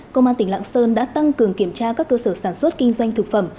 công an tỉnh lạng sơn đã tăng cường kiểm tra các cơ sở sản xuất kinh doanh thực phẩm